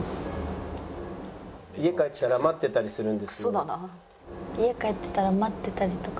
「家帰ったら待ってたりするんですよ」。